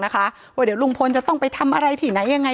ถ้าใครอยากรู้ว่าลุงพลมีโปรแกรมทำอะไรที่ไหนยังไง